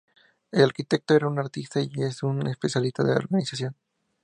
El arquitecto era un artista y es un especialista en la organización".